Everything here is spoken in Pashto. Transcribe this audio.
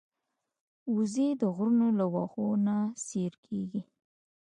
وزې د غرونو له واښو نه سیر کېږي